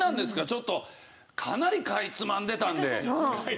ちょっとかなりかいつまんでたんで。